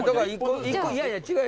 いやいや違う。